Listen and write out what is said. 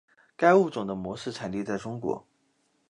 该物种的模式产地在中国。